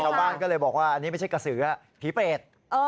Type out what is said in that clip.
ชาวบ้านก็เลยบอกว่าอันนี้ไม่ใช่กระสือผีเปรต